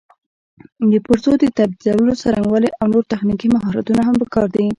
د پرزو د تبدیلولو څرنګوالي او نور تخنیکي مهارتونه هم پکار دي.